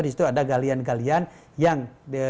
disitu ada galian galian yang